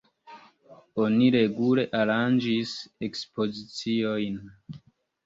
Oni regule aranĝis ekspoziciojn.